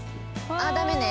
あっダメね